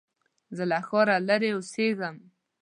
زه له ښاره لرې اوسېږم.